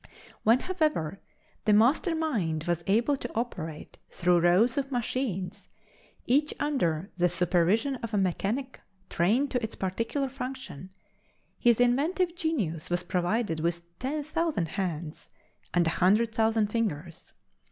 When, however, the master mind was able to operate through rows of machines, each under the supervision of a mechanic trained to its particular function, his inventive genius was provided with ten thousand hands and a hundred thousand fingers.